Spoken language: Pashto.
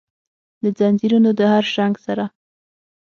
دځنځیرونو د هرشرنګ سره،